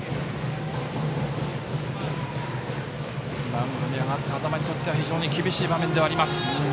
マウンドに上がった安座間には非常に厳しい場面ではあります。